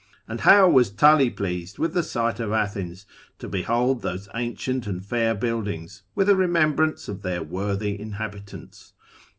And how was Tully pleased with the sight of Athens, to behold those ancient and fair buildings, with a remembrance of their worthy inhabitants.